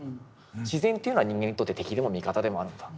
自然というのは人間にとって敵でも味方でもあると。